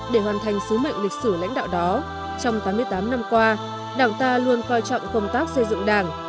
để hoàn thành sứ mệnh lịch sử lãnh đạo đó trong tám mươi tám năm qua đảng ta luôn coi trọng công tác xây dựng đảng